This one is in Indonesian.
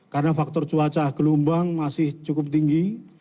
karena faktor cuaca gelombang masih cukup tinggi